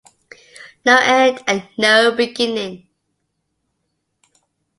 No end and no beginning.